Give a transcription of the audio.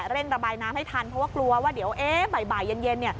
เร่งระบายน้ำให้ทันเพราะว่ากลัวว่าเดี๋ยวบ่ายเย็น